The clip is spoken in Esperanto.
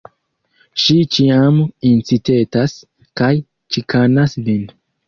Ŝi ĉiam incitetas kaj ĉikanas vin!